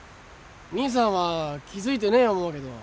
兄さんは気付いてねえ思うけど。